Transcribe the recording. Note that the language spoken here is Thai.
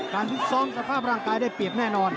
พิษซ้อมสภาพร่างกายได้เปรียบแน่นอน